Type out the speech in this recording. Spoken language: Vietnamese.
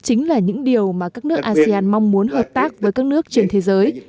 chính là những điều mà các nước asean mong muốn hợp tác với các nước trên thế giới